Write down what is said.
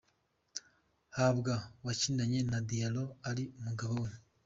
Hawa wakinanye na Diaro ari umugabo we.